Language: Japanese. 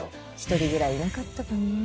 １人ぐらいいなかったかね